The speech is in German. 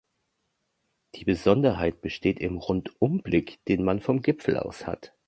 Die Besonderheit besteht im Rundumblick, den man vom Gipfel aus hat.